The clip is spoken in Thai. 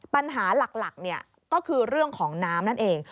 ปัญหาหลักก็คือเรื่องของน้ำนั่นเอง